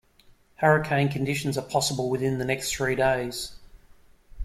Hurricane conditions are possible within the next three days.